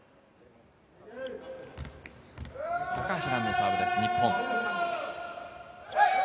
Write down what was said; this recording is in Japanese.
高橋藍のサーブです、日本。